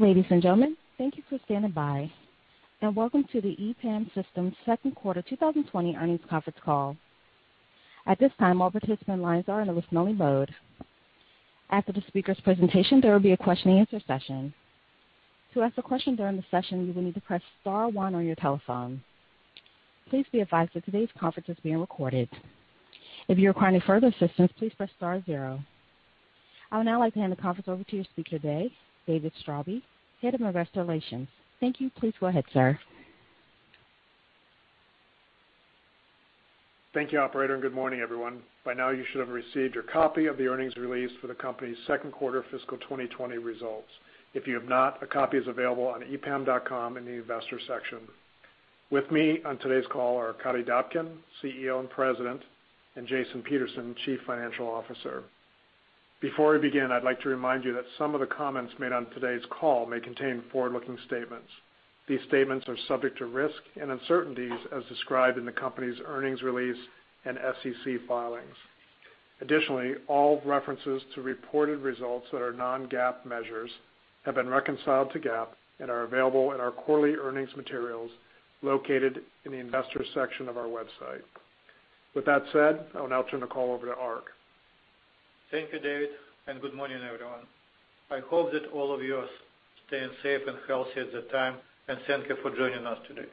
Ladies and gentlemen, thank you for standing by, and welcome to the EPAM Systems second quarter 2020 earnings conference call. At this time, all participant lines are in a listen-only mode. After the speaker's presentation, there will be a question-and-answer session. To ask a question during the session, you will need to press star one on your telephone. Please be advised that today's conference is being recorded. If you require any further assistance, please press star zero. I would now like to hand the conference over to your speaker today, David Straube, Head of Investor Relations. Thank you. Please go ahead, sir. Thank you, operator, and good morning, everyone. By now, you should have received your copy of the earnings release for the company's second quarter fiscal 2020 results. If you have not, a copy is available on epam.com in the investor section. With me on today's call are Arkadiy Dobkin, CEO and President, and Jason Peterson, Chief Financial Officer. Before we begin, I'd like to remind you that some of the comments made on today's call may contain forward-looking statements. These statements are subject to risk and uncertainties as described in the company's earnings release and SEC filings. Additionally, all references to reported results that are non-GAAP measures have been reconciled to GAAP and are available in our quarterly earnings materials located in the investor section of our website. With that said, I will now turn the call over to Ark. Thank you, David. Good morning, everyone. I hope that all of you are staying safe and healthy at the time, and thank you for joining us today.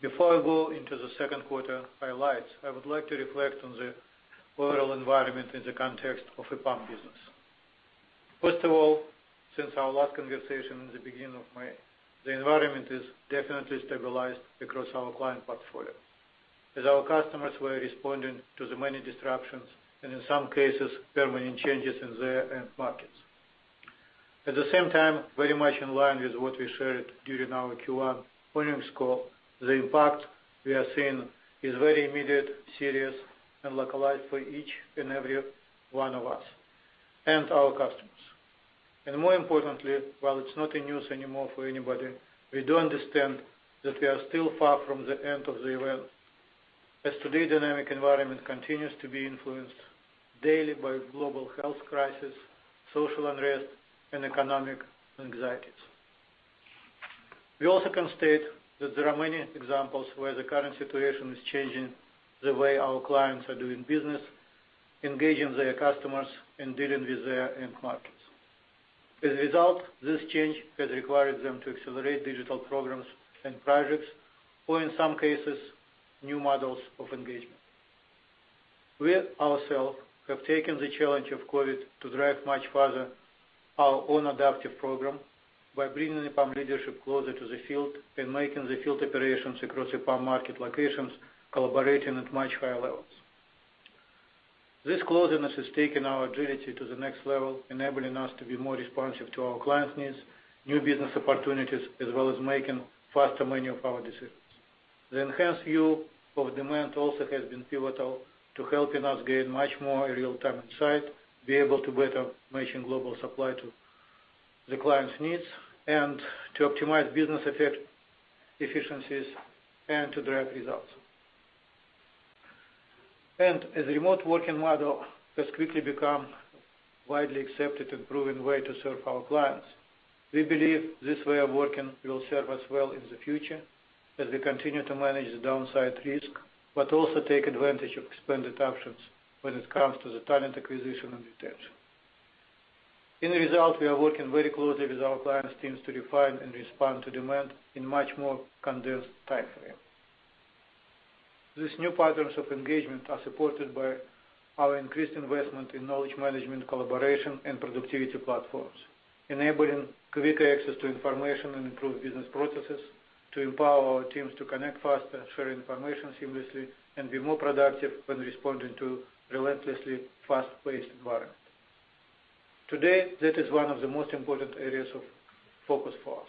Before I go into the second quarter highlights, I would like to reflect on the overall environment in the context of EPAM business. First of all, since our last conversation in the beginning of May, the environment is definitely stabilized across our client portfolio. As our customers were responding to the many disruptions, and in some cases, permanent changes in their end markets. At the same time, very much in line with what we shared during our Q1 earnings call, the impact we are seeing is very immediate, serious, and localized for each and every one of us and our customers. More importantly, while it's not in news anymore for anybody, we do understand that we are still far from the end of the event, as today dynamic environment continues to be influenced daily by global health crisis, social unrest, and economic anxieties. We also can state that there are many examples where the current situation is changing the way our clients are doing business, engaging their customers, and dealing with their end markets. A result, this change has required them to accelerate digital programs and projects or in some cases, new models of engagement. Ourself have taken the challenge of COVID to drive much farther our own adaptive program by bringing EPAM leadership closer to the field and making the field operations across EPAM market locations collaborating at much higher levels. This closeness has taken our agility to the next level, enabling us to be more responsive to our clients' needs, new business opportunities, as well as making faster many of our decisions. The enhanced view of demand also has been pivotal to helping us gain much more real-time insight, be able to better match global supply to the client's needs, and to optimize business efficiencies and to drive results. As remote working model has quickly become widely accepted and proven way to serve our clients, we believe this way of working will serve us well in the future as we continue to manage the downside risk, but also take advantage of expanded options when it comes to the talent acquisition and retention. As a result, we are working very closely with our clients' teams to refine and respond to demand in much more condensed timeframe. These new patterns of engagement are supported by our increased investment in knowledge management, collaboration, and productivity platforms, enabling quicker access to information and improved business processes to empower our teams to connect faster, share information seamlessly, and be more productive when responding to relentlessly fast-paced environment. Today, that is one of the most important areas of focus for us.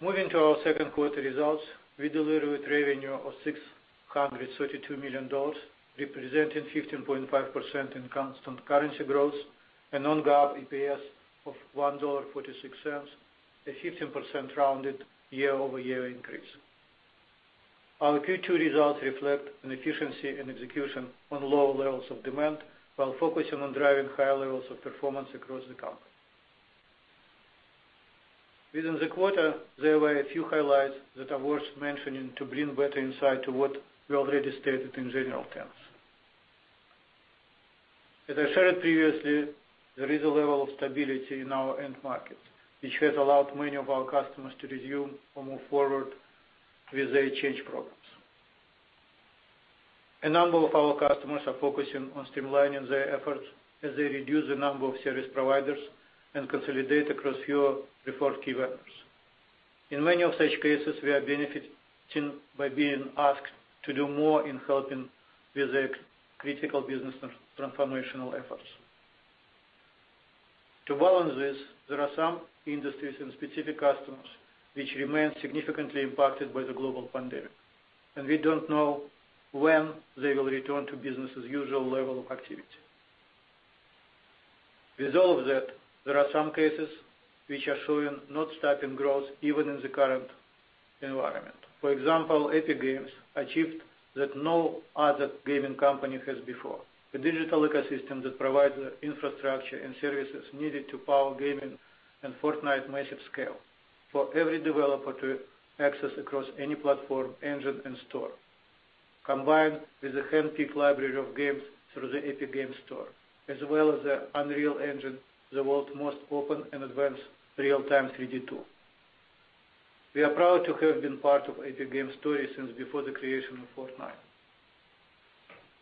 Moving to our second quarter results, we delivered revenue of $632 million, representing 15.5% in constant currency growth and non-GAAP EPS of $1.46, a 15% rounded year-over-year increase. Our Q2 results reflect an efficiency in execution on low levels of demand while focusing on driving higher levels of performance across the company. Within the quarter, there were a few highlights that are worth mentioning to bring better insight to what we already stated in general terms. As I shared previously, there is a level of stability in our end markets, which has allowed many of our customers to resume or move forward with their change programs. A number of our customers are focusing on streamlining their efforts as they reduce the number of service providers and consolidate across fewer preferred key vendors. In many of such cases, we are benefiting by being asked to do more in helping with their critical business transformational efforts. To balance this, there are some industries and specific customers which remain significantly impacted by the global pandemic, and we don't know when they will return to business as usual level of activity. With all of that, there are some cases which are showing not stopping growth even in the current environment. For example, Epic Games achieved what no other gaming company has before. A digital ecosystem that provides the infrastructure and services needed to power gaming and Fortnite massive scale for every developer to access across any platform, engine, and store. Combined with a handpicked library of games through the Epic Games Store, as well as the Unreal Engine, the world's most open and advanced real-time 3D tool. We are proud to have been part of Epic Games' story since before the creation of Fortnite.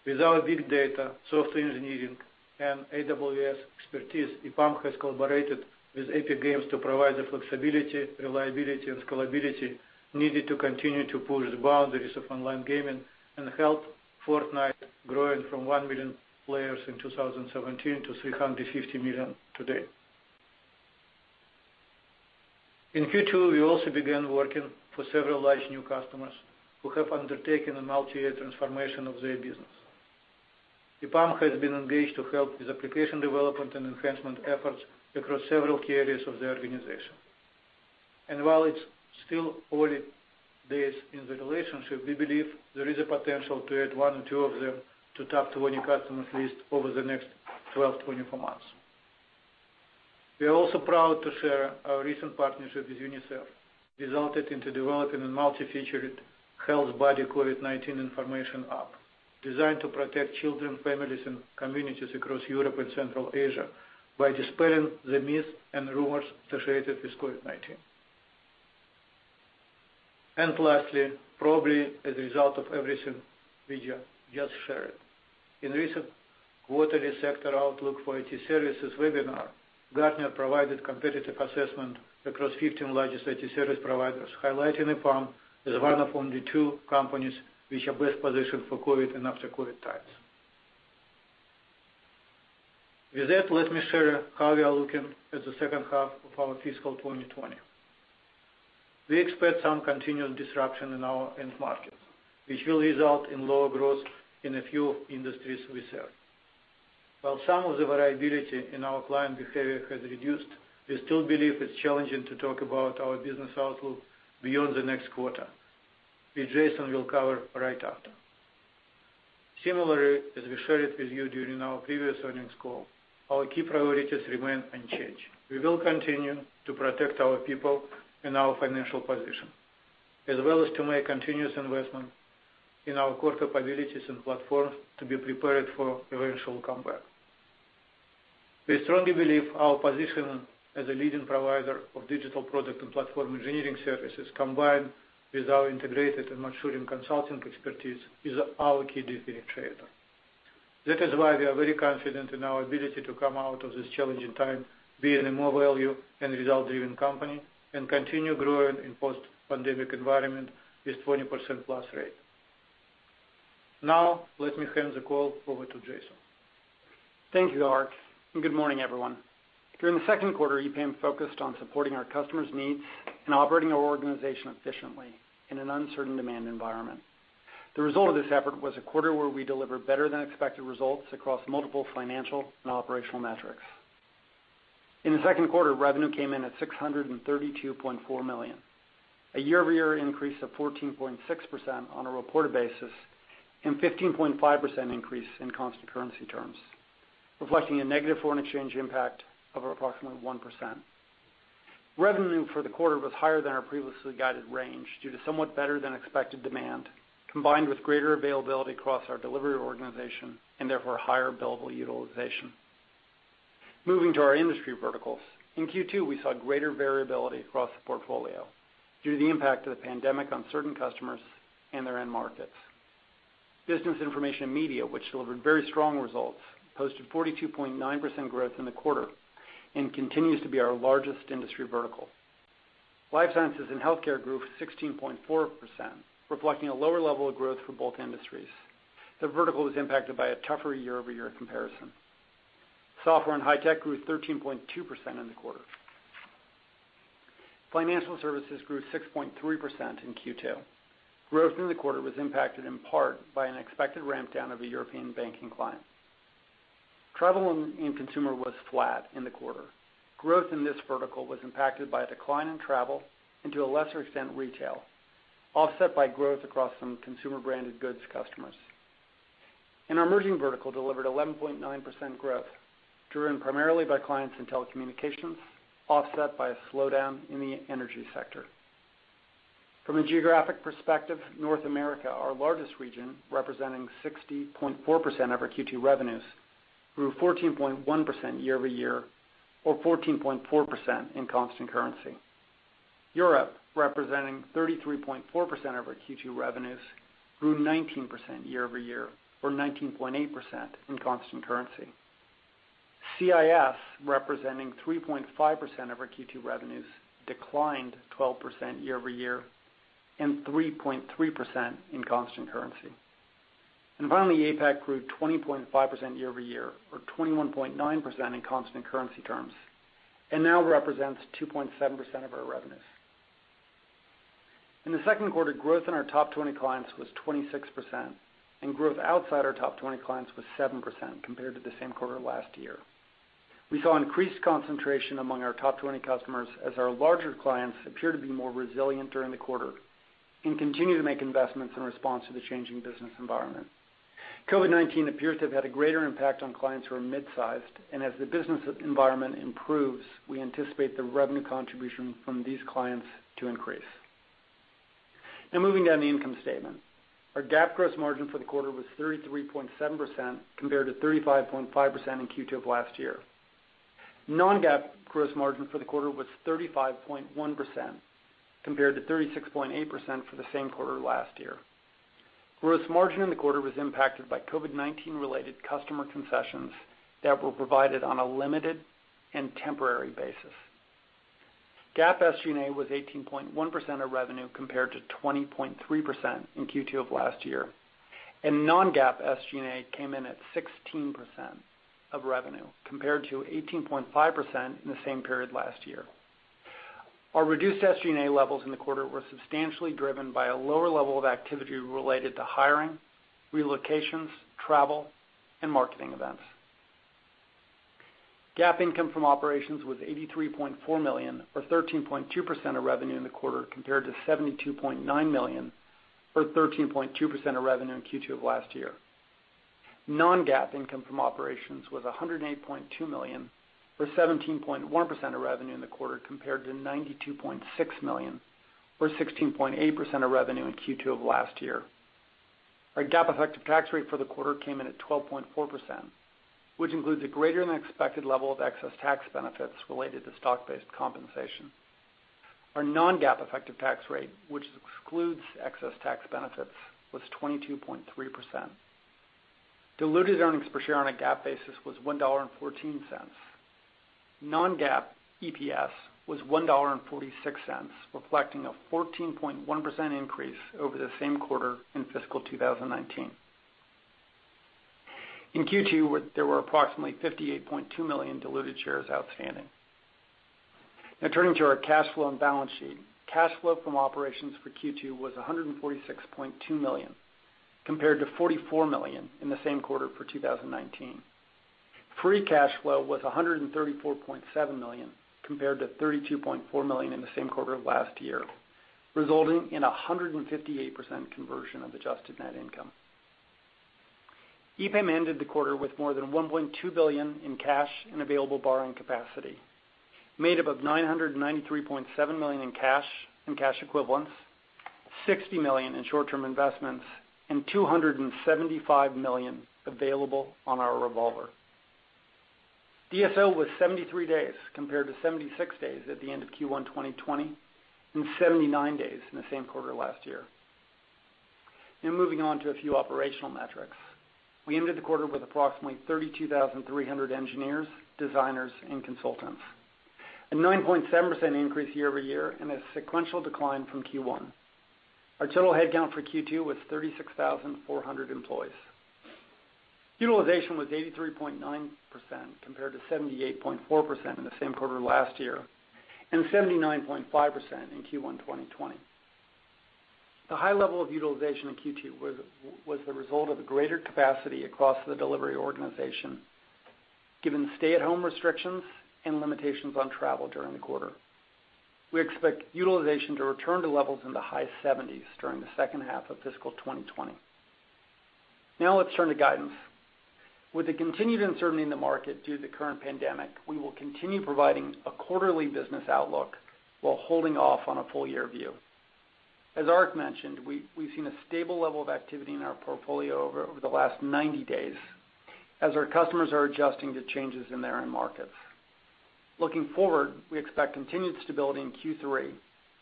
With our big data, software engineering, and AWS expertise, EPAM has collaborated with Epic Games to provide the flexibility, reliability, and scalability needed to continue to push the boundaries of online gaming and help Fortnite grow from 1 million players in 2017 to 350 million today. In Q2, we also began working for several large new customers who have undertaken a multi-year transformation of their business. EPAM has been engaged to help with application development and enhancement efforts across several key areas of the organization. While it's still early days in the relationship, we believe there is a potential to add one or two of them to top 20 customers list over the next 12-24 months. We are also proud to share our recent partnership with UNICEF resulted into developing a multi-featured HealthBuddy COVID-19 information app designed to protect children, families, and communities across Europe and Central Asia by dispelling the myths and rumors associated with COVID-19. Lastly, probably as a result of everything we just shared, in recent quarterly sector outlook for IT services webinar, Gartner provided competitive assessment across 15 largest IT service providers, highlighting EPAM as one of only two companies which are best positioned for COVID and after COVID times. With that, let me share how we are looking at the second half of our fiscal 2020. We expect some continued disruption in our end markets, which will result in lower growth in a few industries we serve. While some of the variability in our client behavior has reduced, we still believe it's challenging to talk about our business outlook beyond the next quarter, which Jason will cover right after. Similarly, as we shared with you during our previous earnings call, our key priorities remain unchanged. We will continue to protect our people and our financial position, as well as to make continuous investment in our core capabilities and platforms to be prepared for eventual comeback. We strongly believe our position as a leading provider of digital product and platform engineering services, combined with our integrated and maturing consulting expertise, is our key differentiator. That is why we are very confident in our ability to come out of this challenging time being a more value and result-driven company and continue growing in post-pandemic environment with 20% plus rate. Let me hand the call over to Jason. Thank you, Arkadiy. Good morning, everyone. During the second quarter, EPAM focused on supporting our customers' needs and operating our organization efficiently in an uncertain demand environment. The result of this effort was a quarter where we delivered better than expected results across multiple financial and operational metrics. In the second quarter, revenue came in at $632.4 million, a year-over-year increase of 14.6% on a reported basis, and 15.5% increase in constant currency terms, reflecting a negative foreign exchange impact of approximately 1%. Revenue for the quarter was higher than our previously guided range due to somewhat better than expected demand, combined with greater availability across our delivery organization, and therefore higher billable utilization. Moving to our industry verticals. In Q2, we saw greater variability across the portfolio due to the impact of the pandemic on certain customers and their end markets. Business information media, which delivered very strong results, posted 42.9% growth in the quarter and continues to be our largest industry vertical. Life sciences and healthcare grew 16.4%, reflecting a lower level of growth for both industries. The vertical was impacted by a tougher year-over-year comparison. Software and high tech grew 13.2% in the quarter. Financial services grew 6.3% in Q2. Growth in the quarter was impacted in part by an expected ramp down of a European banking client. Travel and consumer was flat in the quarter. Growth in this vertical was impacted by a decline in travel, and to a lesser extent, retail, offset by growth across some consumer branded goods customers. Our emerging vertical delivered 11.9% growth, driven primarily by clients in telecommunications, offset by a slowdown in the energy sector. From a geographic perspective, North America, our largest region, representing 60.4% of our Q2 revenues, grew 14.1% year-over-year or 14.4% in constant currency. Europe, representing 33.4% of our Q2 revenues, grew 19% year-over-year or 19.8% in constant currency. CIS, representing 3.5% of our Q2 revenues, declined 12% year-over-year and 3.3% in constant currency. Finally, APAC grew 20.5% year-over-year or 21.9% in constant currency terms, and now represents 2.7% of our revenues. In the second quarter, growth in our top 20 clients was 26%, and growth outside our top 20 clients was 7% compared to the same quarter last year. We saw increased concentration among our top 20 customers as our larger clients appear to be more resilient during the quarter and continue to make investments in response to the changing business environment. COVID-19 appears to have had a greater impact on clients who are mid-sized, and as the business environment improves, we anticipate the revenue contribution from these clients to increase. Now, moving down the income statement. Our GAAP gross margin for the quarter was 33.7% compared to 35.5% in Q2 of last year. Non-GAAP gross margin for the quarter was 35.1% compared to 36.8% for the same quarter last year. Gross margin in the quarter was impacted by COVID-19 related customer concessions that were provided on a limited and temporary basis. GAAP SG&A was 18.1% of revenue compared to 20.3% in Q2 of last year. Non-GAAP SG&A came in at 16% of revenue compared to 18.5% in the same period last year. Our reduced SG&A levels in the quarter were substantially driven by a lower level of activity related to hiring, relocations, travel, and marketing events. GAAP income from operations was $83.4 million, or 13.2% of revenue in the quarter, compared to $72.9 million, or 13.2% of revenue in Q2 of last year. Non-GAAP income from operations was $108.2 million, or 17.1% of revenue in the quarter, compared to $92.6 million, or 16.8% of revenue in Q2 of last year. Our GAAP effective tax rate for the quarter came in at 12.4%, which includes a greater than expected level of excess tax benefits related to stock-based compensation. Our non-GAAP effective tax rate, which excludes excess tax benefits, was 22.3%. Diluted earnings per share on a GAAP basis was $1.14. Non-GAAP EPS was $1.46, reflecting a 14.1% increase over the same quarter in fiscal 2019. In Q2, there were approximately 58.2 million diluted shares outstanding. Turning to our cash flow and balance sheet. Cash flow from operations for Q2 was $146.2 million, compared to $44 million in the same quarter for 2019. Free cash flow was $134.7 million, compared to $32.4 million in the same quarter last year, resulting in 158% conversion of adjusted net income. EPAM ended the quarter with more than $1.2 billion in cash and available borrowing capacity, made up of $993.7 million in cash and cash equivalents, $60 million in short-term investments, and $275 million available on our revolver. DSO was 73 days compared to 76 days at the end of Q1 2020, and 79 days in the same quarter last year. Now moving on to a few operational metrics. We ended the quarter with approximately 32,300 engineers, designers, and consultants. A 9.7% increase year-over-year and a sequential decline from Q1. Our total headcount for Q2 was 36,400 employees. Utilization was 83.9% compared to 78.4% in the same quarter last year, and 79.5% in Q1 2020. The high level of utilization in Q2 was the result of greater capacity across the delivery organization, given stay-at-home restrictions and limitations on travel during the quarter. We expect utilization to return to levels in the high 70s during the second half of fiscal 2020. Let's turn to guidance. With the continued uncertainty in the market due to the current pandemic, we will continue providing a quarterly business outlook while holding off on a full year view. As Ark mentioned, we've seen a stable level of activity in our portfolio over the last 90 days as our customers are adjusting to changes in their own markets. Looking forward, we expect continued stability in Q3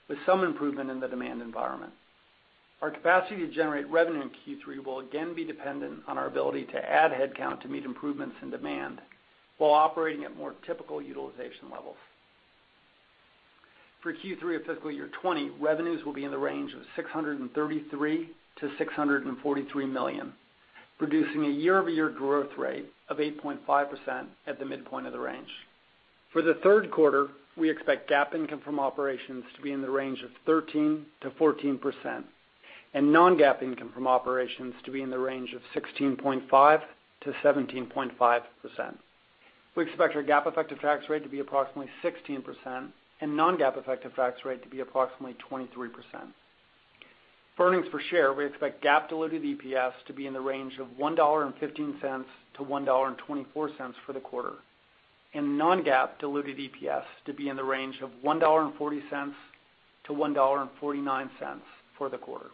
with some improvement in the demand environment. Our capacity to generate revenue in Q3 will again be dependent on our ability to add headcount to meet improvements in demand while operating at more typical utilization levels. For Q3 of fiscal year 2020, revenues will be in the range of $633 million-$643 million, producing a year-over-year growth rate of 8.5% at the midpoint of the range. For the third quarter, we expect GAAP income from operations to be in the range of 13%-14% and non-GAAP income from operations to be in the range of 16.5%-17.5%. We expect our GAAP effective tax rate to be approximately 16% and non-GAAP effective tax rate to be approximately 23%. For earnings per share, we expect GAAP diluted EPS to be in the range of $1.15-$1.24 for the quarter, and non-GAAP diluted EPS to be in the range of $1.40-$1.49 for the quarter.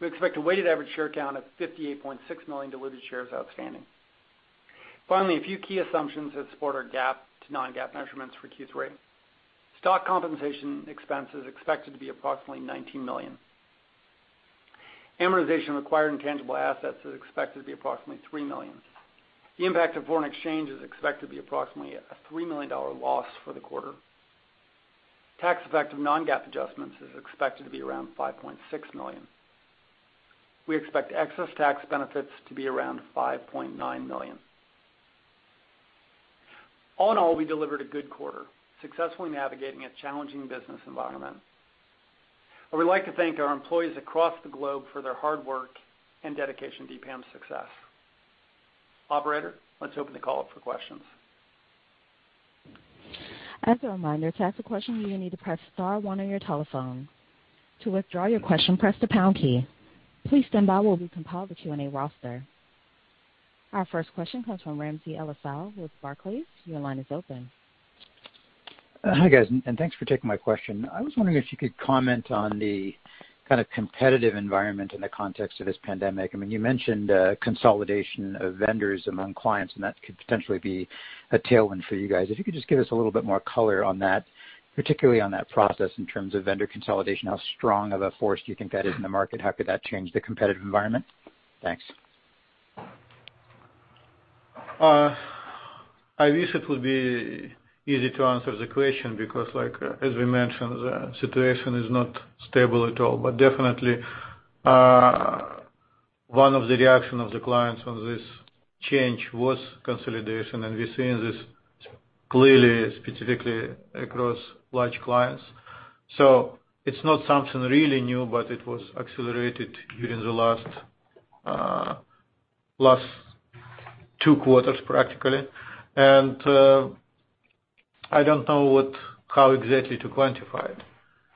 We expect a weighted average share count of 58.6 million diluted shares outstanding. A few key assumptions that support our GAAP to non-GAAP measurements for Q3. Stock compensation expense is expected to be approximately $19 million. Amortization of acquired intangible assets is expected to be approximately $3 million. The impact of foreign exchange is expected to be approximately a $3 million loss for the quarter. Tax effect of non-GAAP adjustments is expected to be around $5.6 million. We expect excess tax benefits to be around $5.9 million. All in all, we delivered a good quarter, successfully navigating a challenging business environment. We'd like to thank our employees across the globe for their hard work and dedication to EPAM's success. Operator, let's open the call up for questions. As a reminder, to ask a question, you will need to press star one on your telephone. To withdraw your question, press the pound key. Please stand by while we compile the Q&A roster. Our first question comes from Ramsey El-Assal with Barclays. Your line is open. Hi, guys, and thanks for taking my question. I was wondering if you could comment on the kind of competitive environment in the context of this pandemic. You mentioned consolidation of vendors among clients, and that could potentially be a tailwind for you guys. If you could just give us a little bit more color on that, particularly on that process in terms of vendor consolidation, how strong of a force do you think that is in the market? How could that change the competitive environment? Thanks. I wish it would be easy to answer the question because, as we mentioned, the situation is not stable at all. Definitely, one of the reaction of the clients on this change was consolidation, and we're seeing this clearly, specifically across large clients. It's not something really new, but it was accelerated during the last two quarters, practically. I don't know how exactly to quantify it.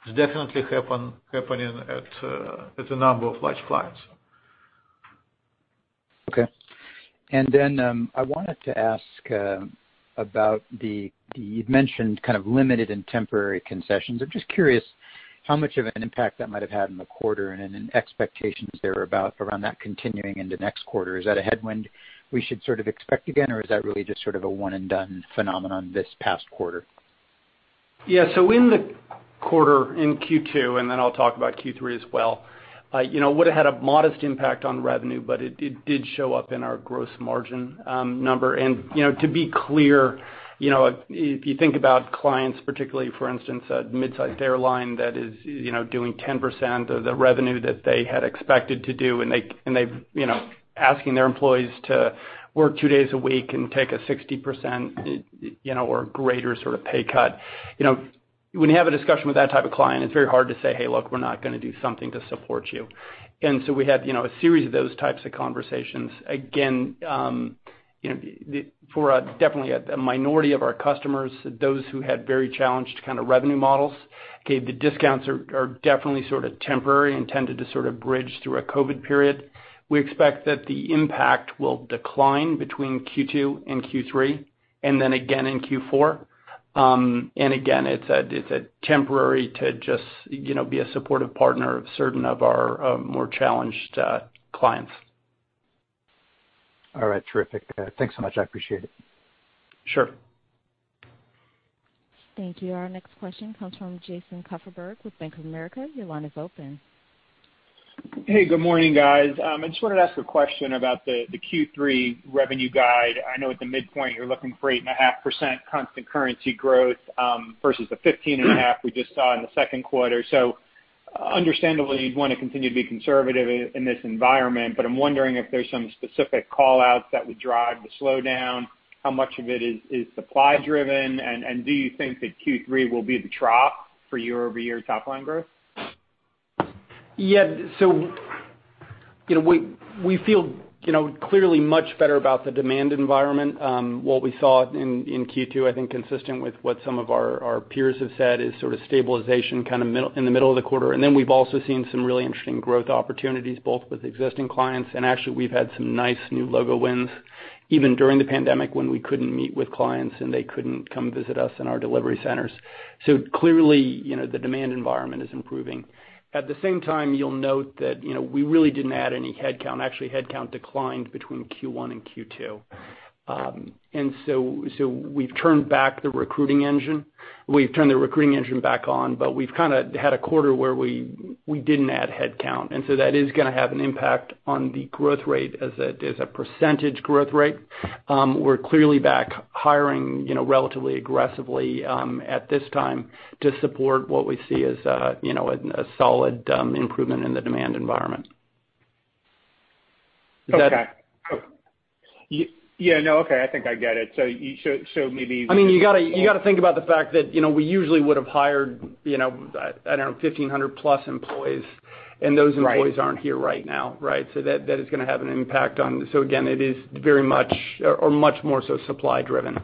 It's definitely happening at a number of large clients. Okay. I wanted to ask about the. You'd mentioned limited and temporary concessions. I'm just curious how much of an impact that might have had in the quarter and any expectations there about around that continuing into next quarter. Is that a headwind we should sort of expect again, or is that really just sort of a one-and-done phenomenon this past quarter? Yeah. In the quarter, in Q2, and then I'll talk about Q3 as well, would've had a modest impact on revenue, but it did show up in our gross margin number. To be clear, if you think about clients, particularly, for instance, a mid-sized airline that is doing 10% of the revenue that they had expected to do, and they're asking their employees to work two days a week and take a 60% or greater pay cut. When you have a discussion with that type of client, it's very hard to say, "Hey, look, we're not going to do something to support you." We had a series of those types of conversations. For definitely a minority of our customers, those who had very challenged kind of revenue models, okay, the discounts are definitely sort of temporary and tended to sort of bridge through a COVID period. We expect that the impact will decline between Q2 and Q3, and then again in Q4. Again, it's temporary to just be a supportive partner of certain of our more challenged clients. All right. Terrific. Thanks so much. I appreciate it. Sure. Thank you. Our next question comes from Jason Kupferberg with Bank of America. Your line is open. Hey, good morning, guys. I just wanted to ask a question about the Q3 revenue guide. I know at the midpoint, you're looking for 8.5% constant currency growth, versus the 15 and a half we just saw in the second quarter. Understandably, you'd want to continue to be conservative in this environment, but I'm wondering if there's some specific call-outs that would drive the slowdown, how much of it is supply driven, and do you think that Q3 will be the trough for year-over-year top line growth? Yeah. We feel clearly much better about the demand environment. What we saw in Q2, I think consistent with what some of our peers have said, is sort of stabilization in the middle of the quarter. We've also seen some really interesting growth opportunities, both with existing clients, and actually, we've had some nice new logo wins, even during the pandemic when we couldn't meet with clients and they couldn't come visit us in our delivery centers. Clearly, the demand environment is improving. At the same time, you'll note that we really didn't add any headcount. Actually, headcount declined between Q1 and Q2. We've turned back the recruiting engine. We've turned the recruiting engine back on, but we've kind of had a quarter where we didn't add headcount. That is going to have an impact on the growth rate as a percentage growth rate. We're clearly back hiring relatively aggressively at this time to support what we see as a solid improvement in the demand environment. Okay. Yeah, no, okay. I think I get it. You've got to think about the fact that we usually would have hired, I don't know, 1,500+ employees, and those employees aren't here right now. That is going to have an impact. Again, it is very much or much more so supply driven.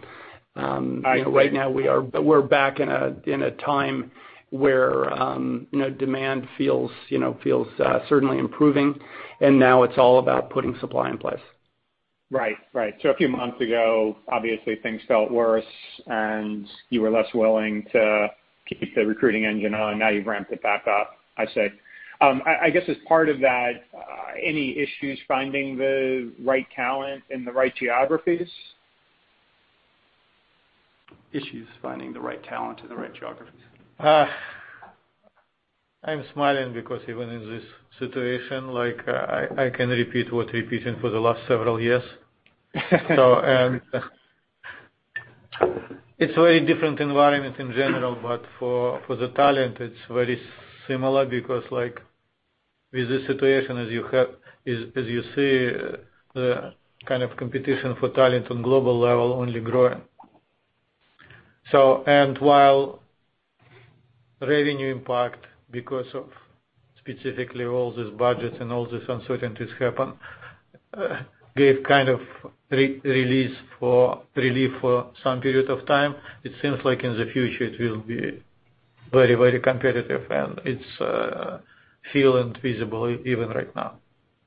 I see. Right now we're back in a time where demand feels certainly improving, and now it's all about putting supply in place. Right. A few months ago, obviously things felt worse, and you were less willing to keep the recruiting engine on. Now you've ramped it back up. I see. I guess as part of that, any issues finding the right talent in the right geographies? Issues finding the right talent in the right geographies. I'm smiling because even in this situation, I can repeat what repeating for the last several years. It's very different environment in general, but for the talent, it's very similar. With this situation, as you see, the kind of competition for talent on global level only growing. While revenue impact because of specifically all these budgets and all these uncertainties happen, gave kind of relief for some period of time, it seems like in the future it will be very competitive, and it's feeling visible even right now.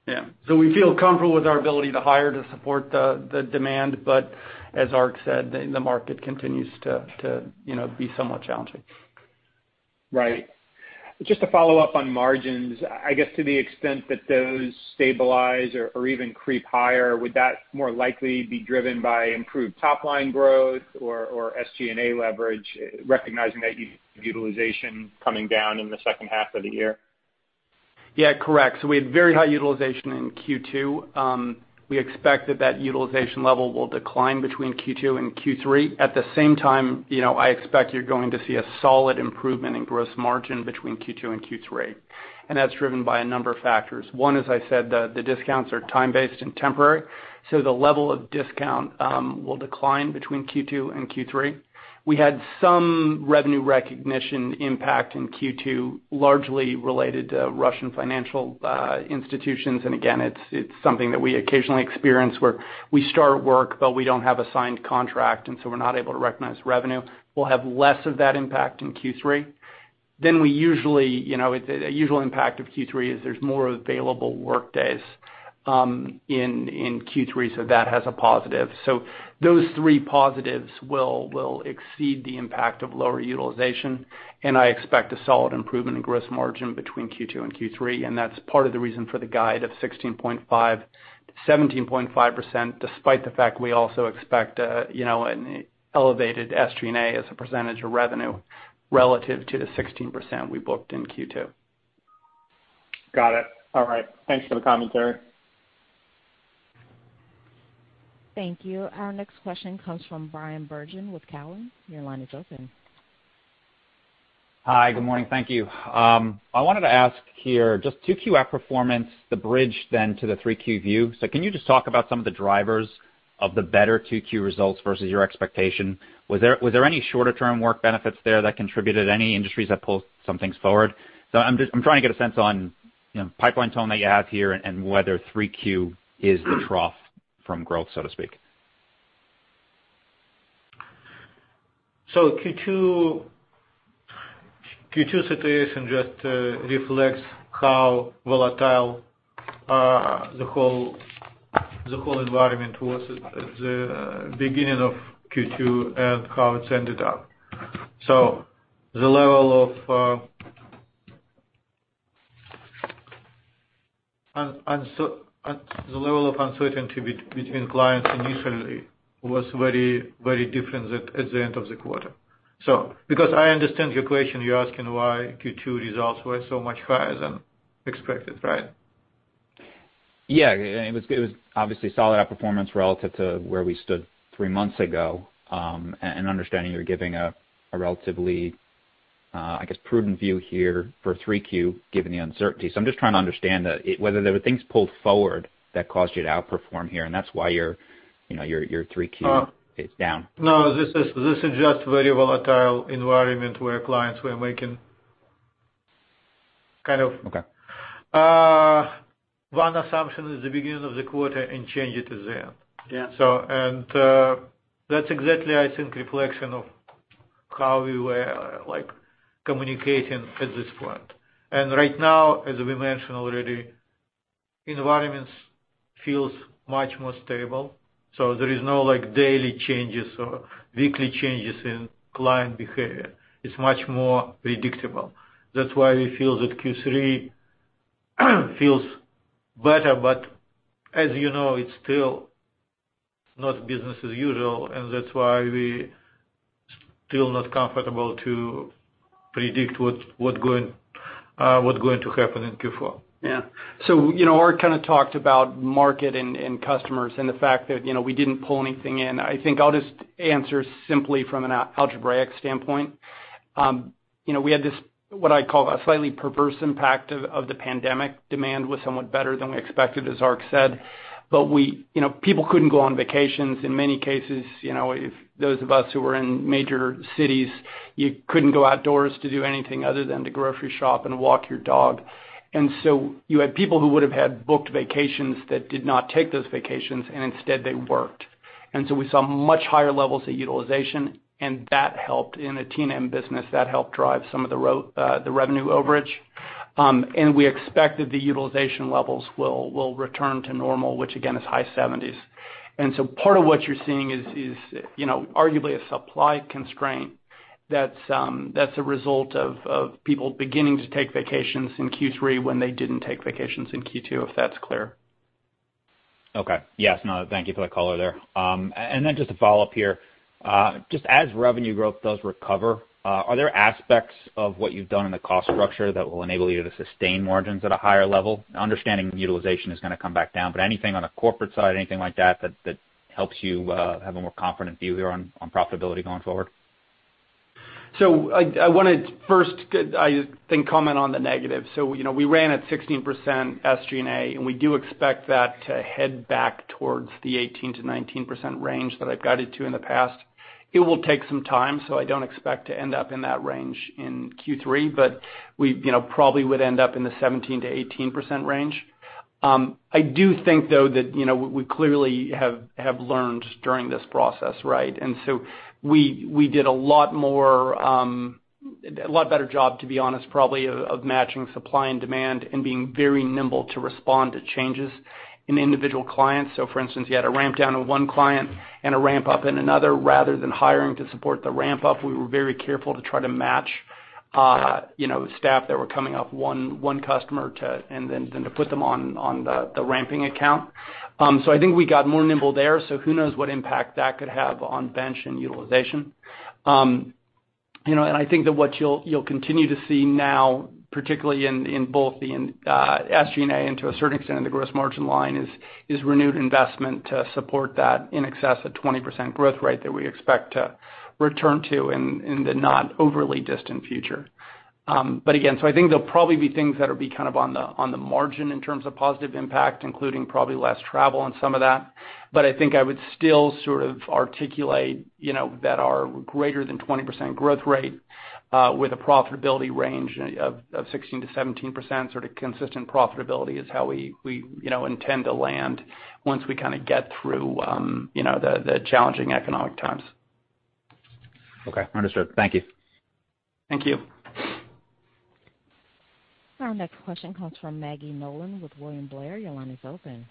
Yeah. We feel comfortable with our ability to hire to support the demand, but as Ark said, the market continues to be somewhat challenging. Right. Just to follow up on margins, I guess to the extent that those stabilize or even creep higher, would that more likely be driven by improved top-line growth or SG&A leverage, recognizing that utilization coming down in the second half of the year? Yeah, correct. We had very high utilization in Q2. We expect that that utilization level will decline between Q2 and Q3. At the same time, I expect you're going to see a solid improvement in gross margin between Q2 and Q3. That's driven by a number of factors. One, as I said, the discounts are time-based and temporary. The level of discount will decline between Q2 and Q3. We had some revenue recognition impact in Q2, largely related to Russian financial institutions. Again, it's something that we occasionally experience where we start work, but we don't have a signed contract. So we're not able to recognize revenue. We'll have less of that impact in Q3. A usual impact of Q3 is there's more available workdays in Q3. That has a positive. Those three positives will exceed the impact of lower utilization, and I expect a solid improvement in gross margin between Q2 and Q3, and that's part of the reason for the guide of 16.5%-17.5%, despite the fact we also expect an elevated SG&A as a percentage of revenue relative to the 16% we booked in Q2. Got it. All right. Thanks for the commentary. Thank you. Our next question comes from Bryan Bergin with Cowen. Your line is open. Hi, good morning. Thank you. I wanted to ask here, just 2Q performance, the bridge then to the 3Q view. Can you just talk about some of the drivers of the better 2Q results versus your expectation? Was there any shorter-term work benefits there that contributed? Any industries that pulled some things forward? I'm trying to get a sense on pipeline tone that you have here and whether 3Q is the trough from growth, so to speak. Q2 situation just reflects how volatile the whole environment was at the beginning of Q2 and how it's ended up. The level of uncertainty between clients initially was very different at the end of the quarter. I understand your question, you're asking why Q2 results were so much higher than expected, right? Yeah. It was obviously solid outperformance relative to where we stood three months ago, and understanding you're giving a relatively, I guess, prudent view here for 3Q given the uncertainty. I'm just trying to understand whether there were things pulled forward that caused you to outperform here, and that's why your 3Q is down. No, this is just very volatile environment. Okay. One assumption at the beginning of the quarter and change it at the end. Yeah. That's exactly, I think, reflection of how we were communicating at this point. Right now, as we mentioned already, environment feels much more stable. There is no daily changes or weekly changes in client behavior. It's much more predictable. That's why we feel that Q3 feels better, as you know, it's still not business as usual, that's why we still not comfortable to predict what's going to happen in Q4. Yeah. Ark kind of talked about market and customers and the fact that we didn't pull anything in. I think I'll just answer simply from an algebraic standpoint. We had this, what I call a slightly perverse impact of the pandemic. Demand was somewhat better than we expected, as Ark said. People couldn't go on vacations in many cases. Those of us who were in major cities, you couldn't go outdoors to do anything other than to grocery shop and walk your dog. You had people who would've had booked vacations that did not take those vacations, and instead they worked. We saw much higher levels of utilization, and that helped in the T&M business. That helped drive some of the revenue overage. We expect that the utilization levels will return to normal, which again, is high 70s. Part of what you're seeing is arguably a supply constraint that's a result of people beginning to take vacations in Q3 when they didn't take vacations in Q2, if that's clear. Okay. Yes. No, thank you for the color there. Just to follow up here. Just as revenue growth does recover, are there aspects of what you've done in the cost structure that will enable you to sustain margins at a higher level? Understanding utilization is going to come back down, but anything on the corporate side, anything like that helps you have a more confident view here on profitability going forward? I want to first, I think, comment on the negative. We ran at 16% SG&A, and we do expect that to head back towards the 18%-19% range that I've guided to in the past. It will take some time, so I don't expect to end up in that range in Q3, but we probably would end up in the 17%-18% range. I do think, though, that we clearly have learned during this process, right? We did a lot better job, to be honest, probably, of matching supply and demand and being very nimble to respond to changes in individual clients. For instance, you had a ramp down on one client and a ramp up in another. Rather than hiring to support the ramp up, we were very careful to try to match staff that were coming up one customer, and then to put them on the ramping account. I think we got more nimble there, so who knows what impact that could have on bench and utilization. I think that what you'll continue to see now, particularly in both the SG&A and to a certain extent the gross margin line, is renewed investment to support that in excess of 20% growth rate that we expect to return to in the not overly distant future. Again, so I think there'll probably be things that'll be on the margin in terms of positive impact, including probably less travel and some of that. I think I would still sort of articulate that our greater than 20% growth rate with a profitability range of 16%-17%, sort of consistent profitability, is how we intend to land once we get through the challenging economic times. Okay. Understood. Thank you. Thank you. Our next question comes from Maggie Nolan with William Blair. Your line is open.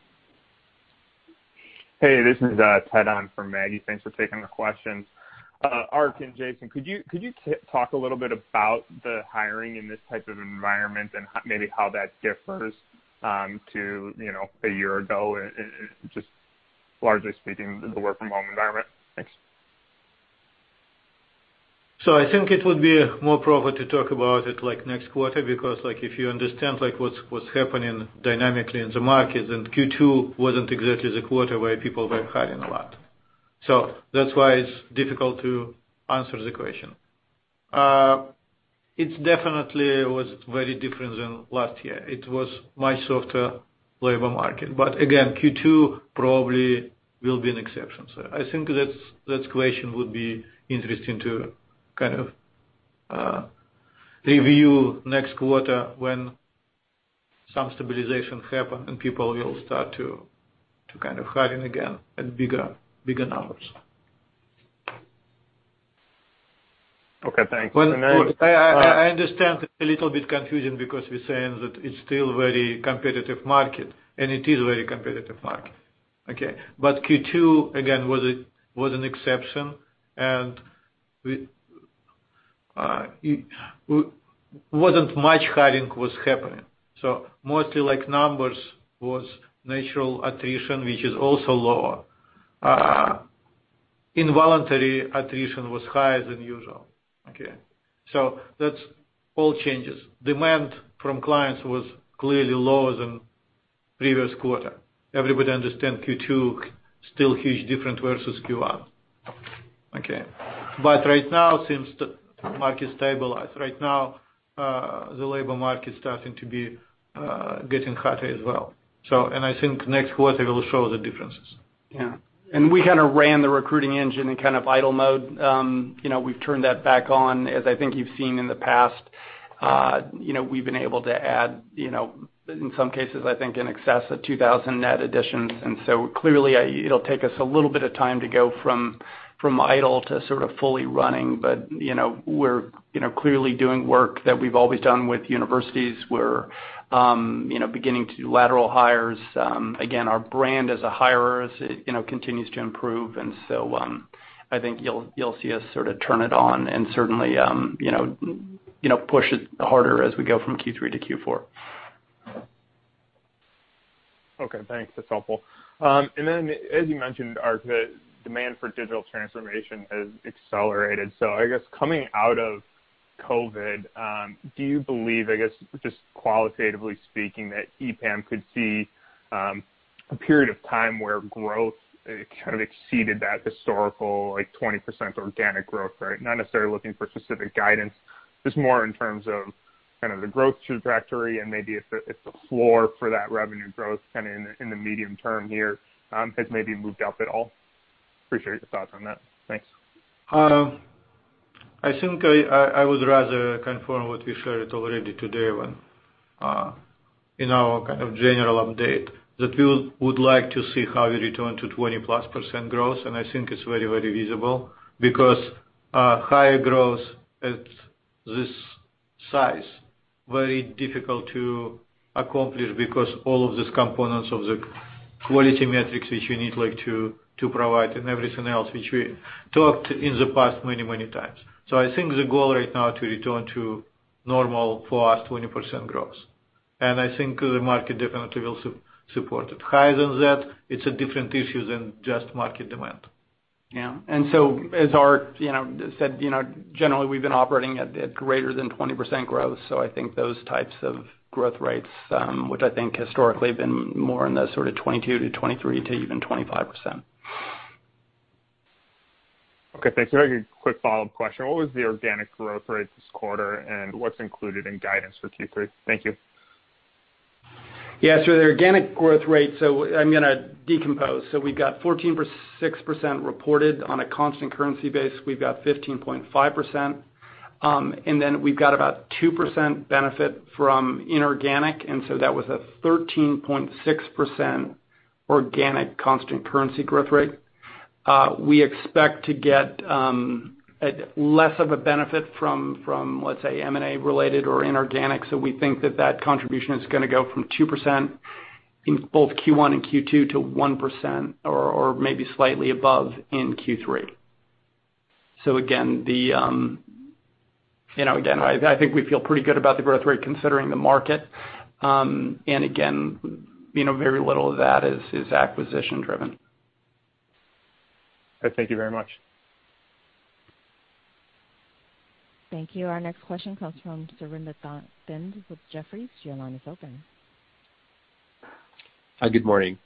Hey, this is Ted on for Maggie. Thanks for taking the questions. Ark and Jason, could you talk a little bit about the hiring in this type of environment and maybe how that differs to a year ago, just largely speaking, the work from home environment? Thanks. I think it would be more proper to talk about it next quarter, because if you understand what's happening dynamically in the market, then Q2 wasn't exactly the quarter where people were hiring a lot. That's why it's difficult to answer the question. It definitely was very different than last year. It was much softer labor market. Again, Q2 probably will be an exception. I think that question would be interesting to kind of review next quarter when some stabilization happen and people will start to hiring again at bigger numbers. Okay. Thanks. I understand it's a little bit confusing because we're saying that it's still very competitive market, and it is very competitive market. Okay. Q2, again, was an exception, and wasn't much hiring was happening. Mostly like numbers was natural attrition, which is also lower. Involuntary attrition was higher than usual. Okay. That all changes. Demand from clients was clearly lower than previous quarter. Everybody understand Q2 still huge difference versus Q1. Okay. Right now, since the market stabilized, the labor market is starting to be getting hotter as well. I think next quarter will show the differences. Yeah. We kind of ran the recruiting engine in idle mode. We've turned that back on. As I think you've seen in the past, we've been able to add, in some cases, I think in excess of 2,000 net additions. Clearly, it'll take us a little bit of time to go from idle to sort of fully running. We're clearly doing work that we've always done with universities. We're beginning to do lateral hires. Again, our brand as a hirer continues to improve. I think you'll see us sort of turn it on and certainly push it harder as we go from Q3 to Q4. Okay, thanks. That's helpful. As you mentioned, Ark, the demand for digital transformation has accelerated. I guess coming out of COVID, do you believe, I guess, just qualitatively speaking, that EPAM could see a period of time where growth kind of exceeded that historical 20% organic growth rate? Not necessarily looking for specific guidance, just more in terms of the growth trajectory and maybe if the floor for that revenue growth in the medium term here has maybe moved up at all. Appreciate your thoughts on that. Thanks. I think I would rather confirm what we shared already today in our kind of general update, that we would like to see how we return to 20%+ growth. I think it's very visible because higher growth at this size, very difficult to accomplish because all of these components of the quality metrics which we need to provide and everything else, which we talked in the past many times. I think the goal right now to return to normal for us, 20% growth. I think the market definitely will support it. Higher than that, it's a different issue than just market demand. Yeah. As Ark said, generally we've been operating at greater than 20% growth. I think those types of growth rates, which I think historically have been more in the sort of 22% to 23% to even 25%. Okay, thanks. If I could, quick follow-up question. What was the organic growth rate this quarter, and what's included in guidance for Q3? Thank you. Yeah, sure. The organic growth rate, I'm going to decompose. We've got 14.6% reported on a constant currency base. We've got 15.5%, we've got about 2% benefit from inorganic, that was a 13.6% organic constant currency growth rate. We expect to get less of a benefit from, let's say M&A related or inorganic. We think that that contribution is going to go from 2% in both Q1 and Q2 to 1%, or maybe slightly above in Q3. Again, I think we feel pretty good about the growth rate considering the market. Again, very little of that is acquisition driven. Okay. Thank you very much. Thank you. Our next question comes from Surinder Thind with Jefferies. Your line is open. Hi, good morning.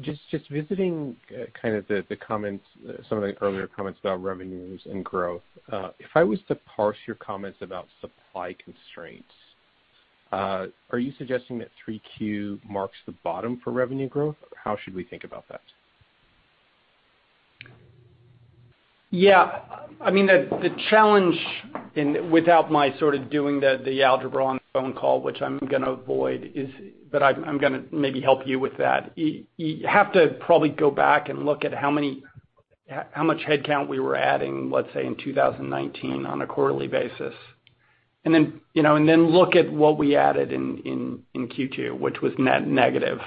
Just visiting some of the earlier comments about revenues and growth. If I was to parse your comments about supply constraints, are you suggesting that 3Q marks the bottom for revenue growth? How should we think about that? Yeah. The challenge, and without my sort of doing the algebra on the phone call, which I'm going to avoid, but I'm going to maybe help you with that. You have to probably go back and look at how much headcount we were adding, let's say, in 2019 on a quarterly basis. Then look at what we added in Q2, which was net negative,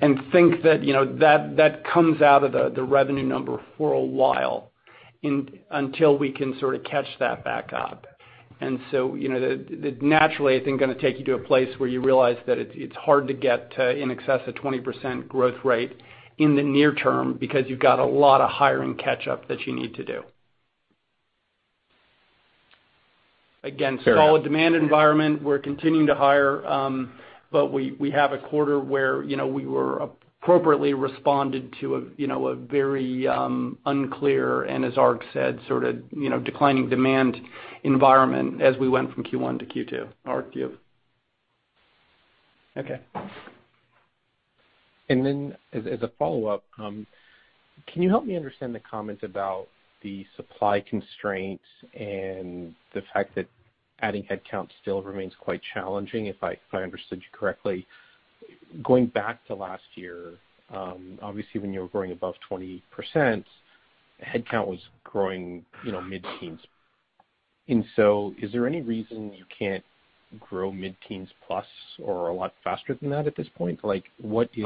and think that comes out of the revenue number for a while until we can sort of catch that back up. Naturally, I think going to take you to a place where you realize that it's hard to get to in excess of 20% growth rate in the near term because you've got a lot of hiring catch-up that you need to do. Again, solid demand environment. We're continuing to hire. We have a quarter where we were appropriately responded to a very unclear, and as Ark said, sort of declining demand environment as we went from Q1 to Q2. Ark, you. Okay. As a follow-up, can you help me understand the comments about the supply constraints and the fact that adding headcount still remains quite challenging, if I understood you correctly? Going back to last year, obviously when you were growing above 20%, headcount was growing mid-teens. Is there any reason you can't grow mid-teens plus or a lot faster than that at this point? Like, what is?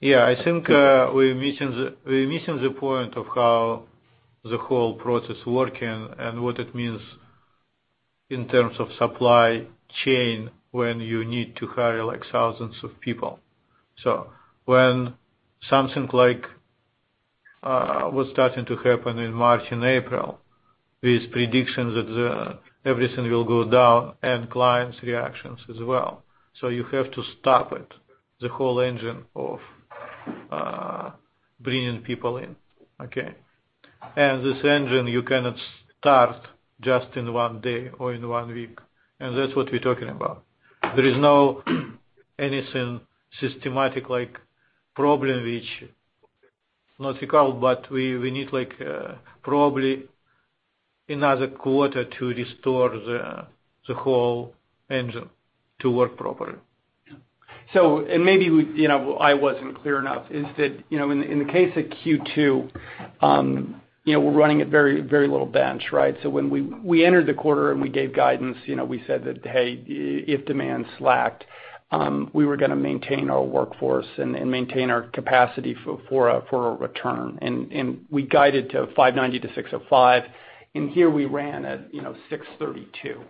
Yeah. I think we're missing the point of how the whole process working and what it means in terms of supply chain when you need to hire thousands of people. When something was starting to happen in March and April, these predictions that everything will go down, and clients' reactions as well. You have to stop it, the whole engine of bringing people in. Okay. This engine, you cannot start just in one day or in one week, and that's what we're talking about. There is no anything systematic like problem which We need probably another quarter to restore the whole engine to work properly. Yeah. Maybe I wasn't clear enough, is that, in the case of Q2, we're running at very little bench, right? When we entered the quarter and we gave guidance, we said that, if demand slacked, we were going to maintain our workforce and maintain our capacity for a return. We guided to 590-605, and here we ran at 632.